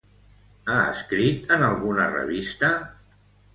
Ha escrit en alguna revista?